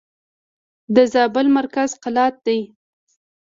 د زابل مرکز قلات دئ.